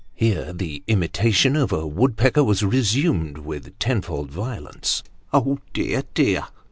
(Here the imitation of a woodpecker was resumed with tenfold violence.) " Oh, dear dear